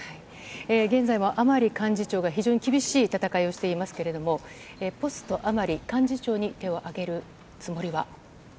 現在も甘利幹事長が非常に厳しい戦いをしていますけれども、ポスト甘利、幹事長に手を挙げるつもりは？